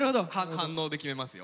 反応で決めますよ。